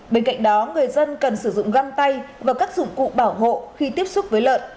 bên cạnh đó người dân cần sử dụng găng tay và các dụng cụ bảo hộ khi tiếp xúc với lợn